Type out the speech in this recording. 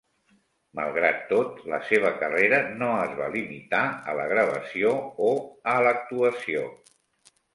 Malgrat tot, la seva carrera no es va limitar a la gravació o a l'actuació.